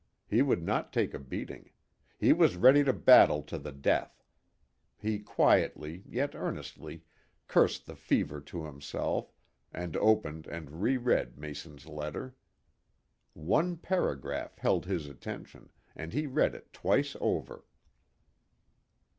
He would not take a beating. He was ready to battle to the death. He quietly, yet earnestly, cursed the fever to himself, and opened and reread Mason's letter. One paragraph held his attention, and he read it twice over.